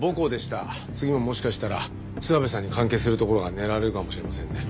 次ももしかしたら諏訪部さんに関係する所が狙われるかもしれませんね。